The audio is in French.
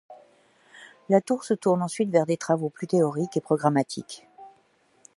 Latour se tourne ensuite vers des travaux plus théoriques et programmatiques.